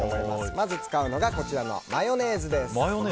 まず使うのがこちらのマヨネーズです。